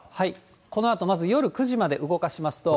このあとまず夜９時まで動かしますと。